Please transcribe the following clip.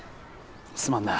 すまんな。